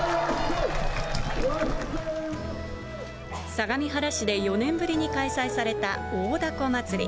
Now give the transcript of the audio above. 相模原市で４年ぶりに開催された大凧まつり。